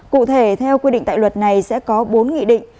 cụ thể theo quy định tại luật này sẽ có bốn nghị định